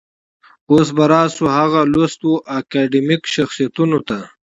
اوس به راشو هغه لوستو اکاډمیکو شخصيتونو ته.